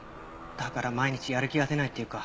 だから毎日やる気が出ないっていうか。